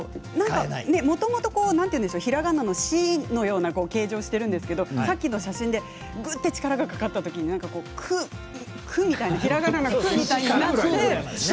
もともとひらがなの「し」のような形状をしてるんですけどさっきの写真で、ぐっと力がかかったときにひらがなの「く」みたいになってそれが、だからすごいんですね